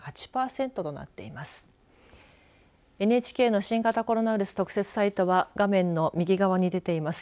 ＮＨＫの新型コロナウイルス特設サイトは画面の右側に出ています